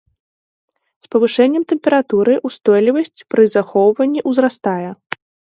З павышэннем тэмпературы ўстойлівасць пры захоўванні ўзрастае.